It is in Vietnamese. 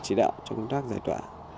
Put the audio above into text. chỉ đạo cho công tác giải tỏa